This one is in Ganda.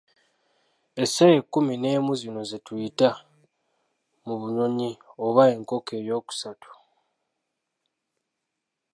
Essaawa ekkumi n'emu zino zetuyita, mu bunnyonnyi oba enkoko ey'okusatu.